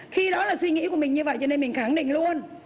khi đó là suy nghĩ của mình như vậy cho nên mình khẳng định luôn